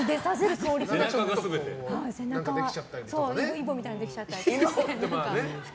イボみたいなのできちゃったり。